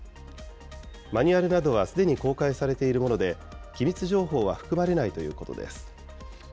マニュアルなどはすでに公開されているもので、機密情報は含まれないということです。